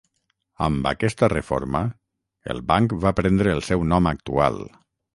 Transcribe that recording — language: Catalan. Amb aquesta reforma, el banc va prendre el seu nom actual.